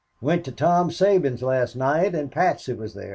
Went to Tom Sabins' last night and Patsy was there.